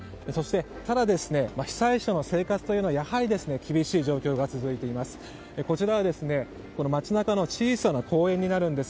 ただ、被災者の生活というのはやはり厳しい状況が続いています。